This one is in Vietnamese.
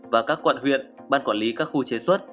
và các quận huyện ban quản lý các khu chế xuất